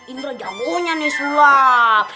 indra jamunya nih sulap